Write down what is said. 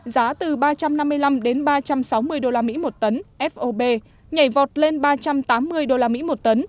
giá từ ba trăm năm mươi năm đến ba trăm sáu mươi usd một tấn fob nhảy vọt lên ba trăm tám mươi usd một tấn